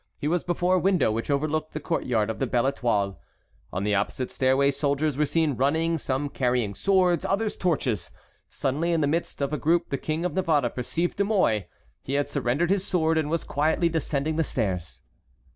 He was before a window which overlooked the courtyard of the Belle Étoile. On the opposite stairway soldiers were seen running, some carrying swords, others torches. Suddenly in the midst of a group the King of Navarre perceived De Mouy. He had surrendered his sword and was quietly descending the stairs.